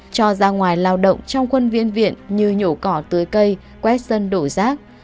cho ra ngoài lao động trong quân viên viện như nhổ cỏ tưới cây quét sân đổ rác